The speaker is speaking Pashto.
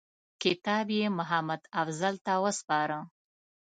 کتاب یې محمدافضل ته وسپاره.